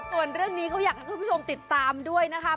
ส่วนเรื่องนี้เขาอยากให้คุณผู้ชมติดตามด้วยนะคะ